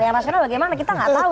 yang rasional bagaimana kita nggak tahu